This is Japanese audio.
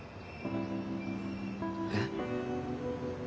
えっ？